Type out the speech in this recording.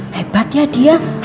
hebat ya dia